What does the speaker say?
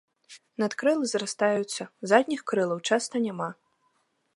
Надкрылы зрастаюцца, задніх крылаў часта няма.